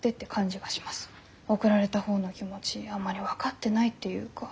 送られた方の気持ちあんまり分かってないっていうか。